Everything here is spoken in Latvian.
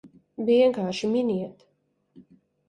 Vienkārši miniet!